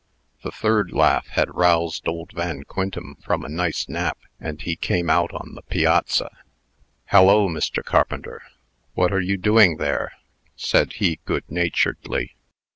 The third laugh had roused old Van Quintem from a nice nap, and he came out on the piazza. "Hallo, Mr. Carpenter! what are you doing there?" said he, good naturedly.